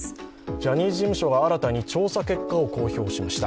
ジャニーズ事務所が新たに調査結果を公表しました。